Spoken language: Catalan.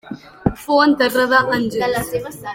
Fou enterrada a Angers.